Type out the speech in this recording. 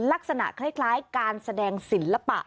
ลักษณะคล้ายการแสดงศิลปะ